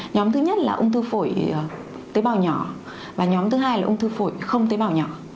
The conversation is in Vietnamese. nhóm thứ nhất là ung thư phổi tế bào nhỏ và nhóm thứ hai là ung thư phổi không tế bào nhỏ